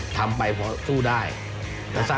ก็คือคุณอันนบสิงต์โตทองนะครับ